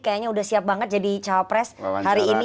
kayaknya sudah siap banget jadi caopres hari ini